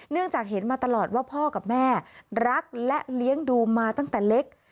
จากเห็นมาตลอดว่าพ่อกับแม่รักและเลี้ยงดูมาตั้งแต่เล็ก